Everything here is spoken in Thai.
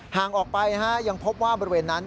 ห่างออกไปยังพบว่าบริเวณนั้น